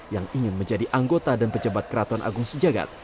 yang ingin menjadi anggota dan pejabat keraton agung sejagat